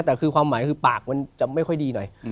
แต่คือความหมายคือปากมันจะไม่ค่อยดีหน่อย